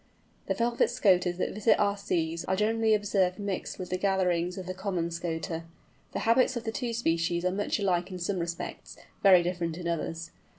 The Velvet Scoters that visit our seas are generally observed mixed with the gatherings of the Common Scoter. The habits of the two species are much alike in some respects, very different in others.